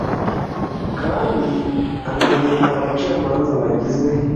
kandi akanagena abacamanza bagize